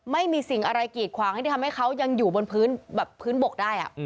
ไม่มีสิ่งอะไรกีดขวางให้ที่ทำให้เขายังอยู่บนพื้นแบบพื้นบกได้